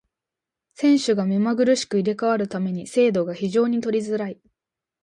運手が目まぐるしく入れ替わる為に精度が非常に取りづらい。